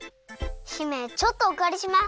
姫ちょっとおかりします。